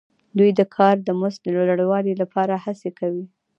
دوی د کار د مزد د لوړوالي لپاره هڅې کوي